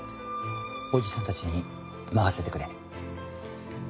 おじさんたちに任せてくれ。